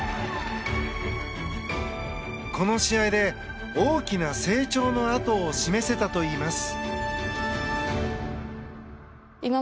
この試合で、大きな成長の跡を示せたといいます。